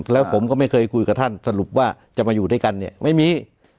แล้วผมก็ไม่เคยคุยกับท่านสรุปว่าจะมาอยู่ด้วยกันเนี่ยไม่มี